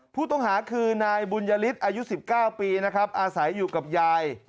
ผู้ต้องหาคือนายบุญยฤทธิ์อายุ๑๙ปีนะครับอาศัยอยู่กับยาย